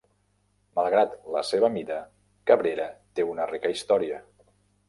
Malgrat la seva mida, Cabrera té una rica història.